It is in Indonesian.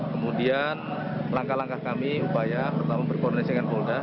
kemudian langkah langkah kami upaya pertama berkoordinasi dengan polda